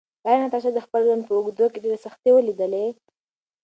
ایا ناتاشا د خپل ژوند په اوږدو کې ډېرې سختۍ ولیدلې؟